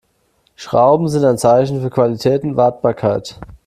Schrauben sind ein Zeichen für Qualität und Wartbarkeit.